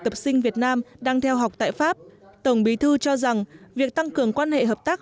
tập sinh việt nam đang theo học tại pháp tổng bí thư cho rằng việc tăng cường quan hệ hợp tác